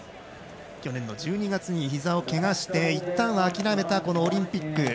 去年の１２月にひざをけがしていったん諦めたこのオリンピック。